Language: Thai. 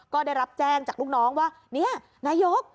ก็ได้รับแจ้งจากลูกน้องว่านี่นายก